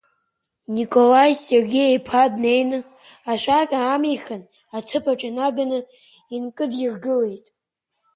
Николаи Сергеи-иԥа днеины, ашәақь аамихын, аҭыԥаҿ инаган инкыдиргылеит.